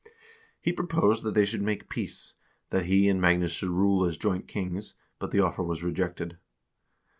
He proposed that they should make peace; that he and Magnus should rule as joint kings, but the offer was rejected.